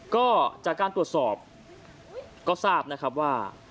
ก็จากการตรวจสอบก็ทราบว่า